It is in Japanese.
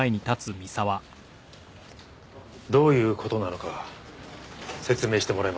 どういう事なのか説明してもらえませんか？